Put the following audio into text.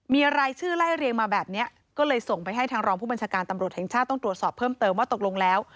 มีรายชื่อไล่เรียงมาแบบนี้ก็เลยส่งไปให้ทางรองผู้บัญชาการตำรวจแห่งชาติต้องตรวจสอบเพิ่มเติมว่าตกลงแล้ว